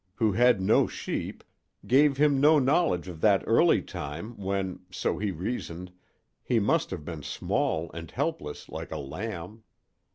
—who had no sheep, gave him no knowledge of that early time, when, so he reasoned, he must have been small and helpless like a lamb.